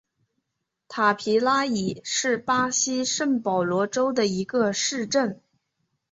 塔皮拉伊是巴西圣保罗州的一个市镇。